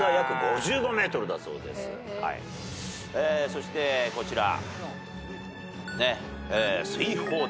そしてこちら。